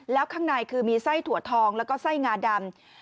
แล้วข้างในคือมีไส้ถั่วทองแล้วก็ไส้งาดำ